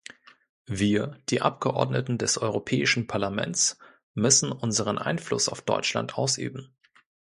Wir, die Abgeordneten des Europäischen Parlaments, müssen unseren Einfluss auf Deutschland ausüben.